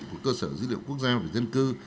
của cơ sở dữ liệu quốc gia về dân cư